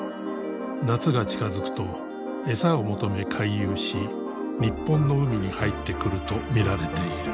夏が近づくと餌を求め回遊し日本の海に入ってくると見られている。